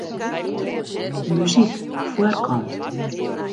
Muzyk foarkant.